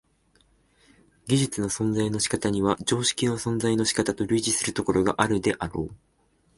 技術の存在の仕方には常識の存在の仕方と類似するところがあるであろう。